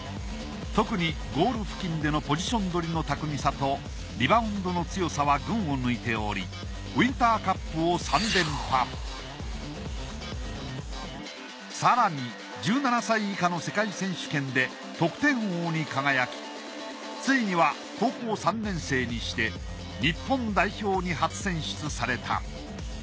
特にゴール付近でのポジション取りの巧みさとリバウンドの強さは群を抜いておりウィンターカップを３連覇更に１７歳以下の世界選手権で得点王に輝きついには高校３年生にして日本代表に初選出された。